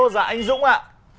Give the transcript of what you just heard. alo dạ anh dũng ạ